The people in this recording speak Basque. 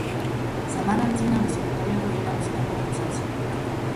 Samarra, antzina, Mesopotamiako hiri nagusietako bat izan zen.